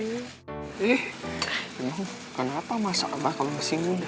ih emang kenapa masa lama kamu masih muda